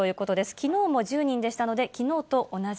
きのうも１０人でしたので、きのうと同じ。